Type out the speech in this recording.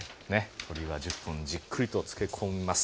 鶏は１０分じっくりとつけ込みます。